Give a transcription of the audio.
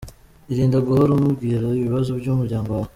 Irinde guhora umubwira ibibazo by’umuryango wawe.